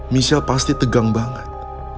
michelle pasti tegang banget